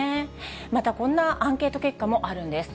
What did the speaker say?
またこんなアンケート結果もあるんです。